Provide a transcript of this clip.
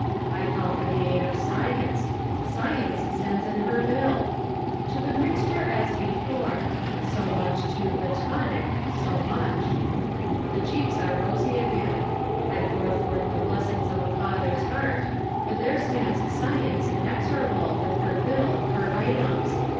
I call for the aid of Science—Science sends in her bill! "To the Mixture as Before," so much to "the Tonic," so much. The cheeks are rosy again. I pour forth the blessings of a father's heart; but there stands Science inexorable, with her bill, her items.